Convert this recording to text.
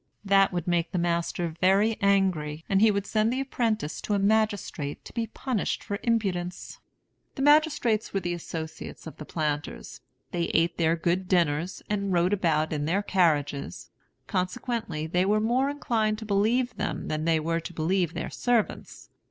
That would make the master very angry, and he would send the apprentice to a magistrate to be punished for impudence. The magistrates were the associates of the planters; they ate their good dinners, and rode about in their carriages. Consequently, they were more inclined to believe them than they were to believe their servants.